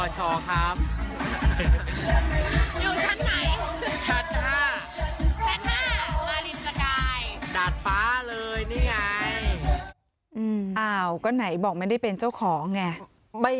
ตรงท่าอ่าอาวก็ไหนบอกไม่ได้เป็นเจ้าของไง